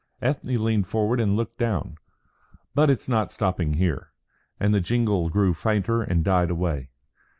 Ethne leaned forward and looked down. "But it's not stopping here;" and the jingle grew fainter and died away.